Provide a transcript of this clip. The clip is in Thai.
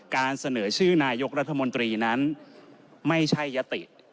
การเสนอชื่อนายกรัฐมนตรีนั้นไม่ใช่ยติ